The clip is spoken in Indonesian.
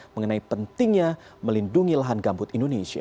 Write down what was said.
mengenai pentingnya melindungi lahan gambut indonesia